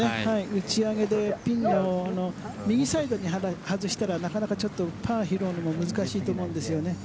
打ち上げでピンの右サイドに外したらなかなかパーを拾うのも難しいと思うんですよね。